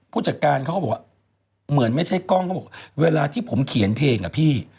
ผู้จัดการเขาก็บอกว่าเหมือนไม่ใช่กล้องเขาบอกเวลาที่ผมเขียนเพลงอะพี่